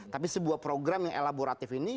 tapi sebuah program yang elaboratif ini